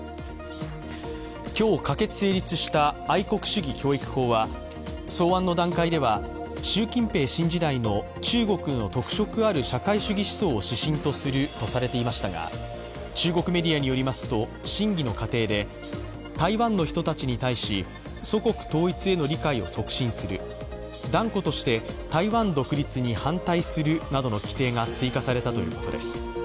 今日、可決・成立した愛国主義教育法は、草案の段階では習近平新時代の中国の特色ある社会主義思想を指針とするとされていましたが中国メディアによりますと、審議の過程で、台湾の人たちに対し祖国統一への理解を促進する断固として台湾独立に反対するなどの規定が追加されたということです。